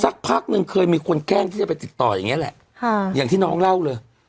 สักพักนึงเคยมีคนแกล้งที่จะไปติดต่ออย่างเงี้แหละค่ะอย่างที่น้องเล่าเลย